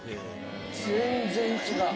全然違う。